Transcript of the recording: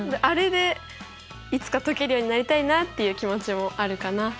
あれでいつか解けるようになりたいなっていう気持ちもあるかな。